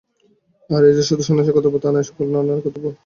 আর এ যে শুধু সন্ন্যাসীর কর্তব্য তা নয়, সকল নর-নারীরই কর্তব্য।